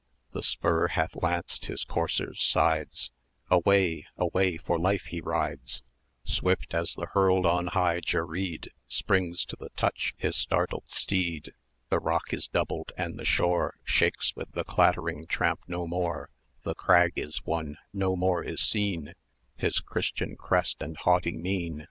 The spur hath lanced his courser's sides; Away away for life he rides: 250 Swift as the hurled on high jerreed Springs to the touch his startled steed; The rock is doubled, and the shore Shakes with the clattering tramp no more; The crag is won, no more is seen His Christian crest and haughty mien.